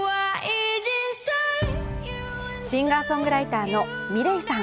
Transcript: シンガーソングライターのｍｉｌｅｔさん。